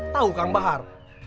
tau kang bahar